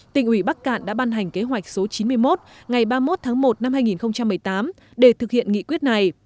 tỉnh ủy bắc cạn đã ban hành kế hoạch số chín mươi một ngày ba mươi một tháng một năm hai nghìn một mươi tám để thực hiện nghị quyết này